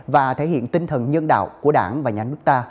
và thể hiện tinh thần nhân đạo của đảng và nhà nước ta